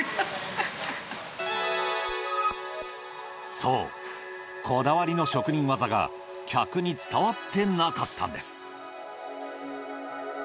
そうこだわりの職人技が客に伝わってなかったんです。